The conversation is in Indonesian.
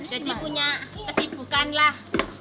jadi punya kesibukan lah